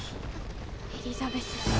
エリザベス。